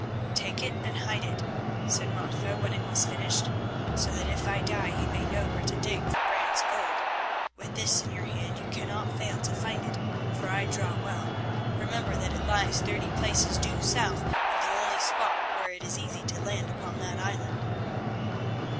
"Take it and hide it," said Martha, when it was finished, "so that if I die you may know where to dig for Brant's gold. With this in your hand you cannot fail to find it, for I draw well. Remember that it lies thirty paces due south of the only spot where it is easy to land upon that island."